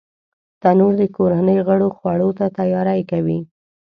تنور د کورنۍ غړو خوړو ته تیاری کوي